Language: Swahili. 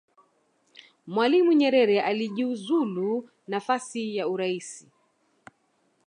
mwalimu nyerere alijiuzulu nafasi ya uraisi